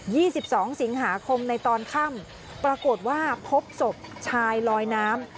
ี่สิบสองสิงหาคมในตอนค่ำปรากฏว่าพบศพชายลอยน้ำ